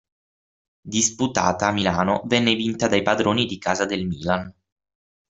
Disputata a Milano, venne vinta dai padroni di casa del Milan.